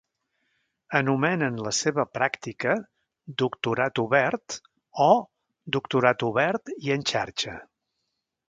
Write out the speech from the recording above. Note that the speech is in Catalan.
Anomenen la seva pràctica Doctorat obert o Doctorat obert i en xarxa.